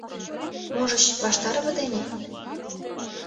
Можыч, Ваштарова дене?